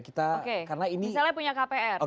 misalnya punya kpr